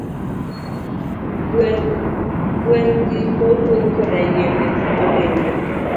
Gweng' gi noluor koda yiende gi olembe.